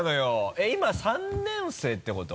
えっ今３年生ってこと？